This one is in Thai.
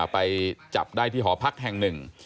ไปจับได้ที่หอพักแห่งหนึ่ง